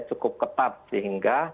cukup ketat sehingga